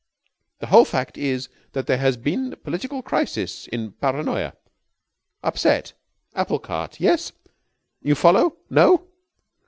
The whole fact is that there has been political crisis in Paranoya. Upset. Apple cart. Yes? You follow? No?